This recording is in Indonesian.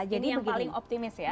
jadi yang paling optimis ya